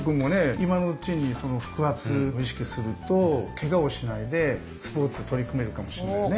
今のうちに腹圧を意識するとケガをしないでスポーツに取り組めるかもしれないよね。